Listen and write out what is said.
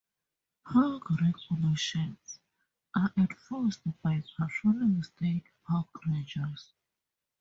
Park regulations are enforced by patrolling state park rangers.